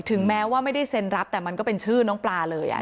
ถึงแม้ว่าไม่ได้เซ็นรับแต่มันก็เป็นชื่อน้องปลาเลย